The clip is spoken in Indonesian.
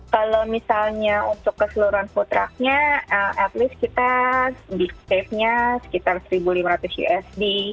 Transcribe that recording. kalau misalnya untuk keseluruhan futraknya at least kita di save nya sekitar seribu lima ratus usd